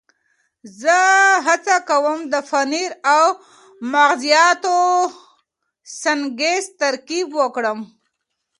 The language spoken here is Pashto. زه هڅه کوم د پنیر او مغزیاتو سنکس ترکیب وکړم.